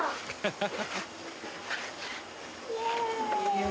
ハハハ！